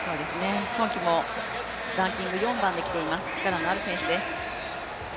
今季もランキング４番できています、力のある選手です。